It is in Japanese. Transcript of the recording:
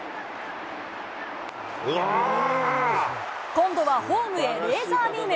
今度はホームへレーザービーム。